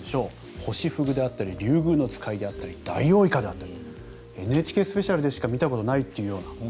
ホシフグであったりリュウグウノツカイであったりダイオウイカであったり「ＮＨＫスペシャル」でしか見たことないというような。